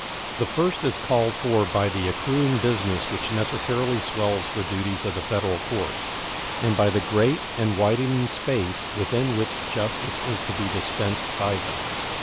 The first is called for by the accruing business which necessarily swells the duties of the Federal courts, and by the great and widening space within which justice is to be dispensed by them.